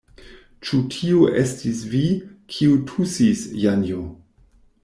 Ĉu tio estis vi, kiu tusis, Janjo?